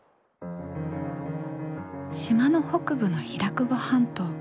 島の北部の平久保半島。